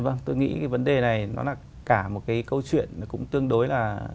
vâng tôi nghĩ cái vấn đề này nó là cả một cái câu chuyện nó cũng tương đối là